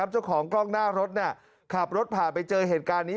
เจ้าของกล้องหน้ารถขับรถผ่านไปเจอเหตุการณ์นี้